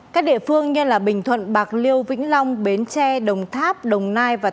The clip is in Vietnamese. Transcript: các địa phương như bình thuận bạc liêu vĩnh long bến tre đồng tháp đồng nai và tp cn